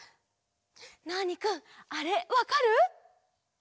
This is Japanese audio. ナーニくんあれわかる？